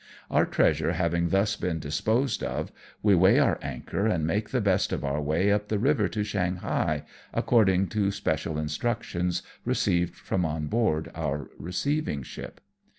Our treasure having thus been disposed of, we weigh our anchor and make the best of our way up the river to Shanghai, according to special instructions received from on board our receiving ship.